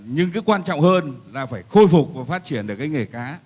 nhưng cái quan trọng hơn là phải khôi phục và phát triển được cái nghề cá